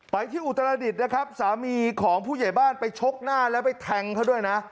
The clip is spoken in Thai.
ไปที่อุตรดิษฐ์นะครับสามีของผู้ใหญ่บ้านไปชกหน้าแล้วไปแทงเขาด้วยนะ